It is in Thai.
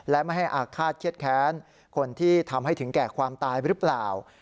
และไม่ให้อาฆาตเครียดแค้นคนที่ทำให้ถึงแก่ความตายหรือเปล่า